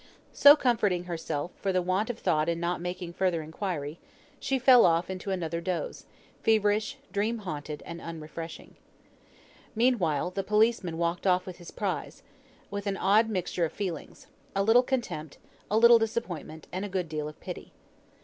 So, comforting herself for her want of thought in not making further inquiry, she fell off into another doze, feverish, dream haunted, and unrefreshing. Meanwhile, the policeman walked off with his prize, with an odd mixture of feelings; a little contempt, a little disappointment, and a good deal of pity.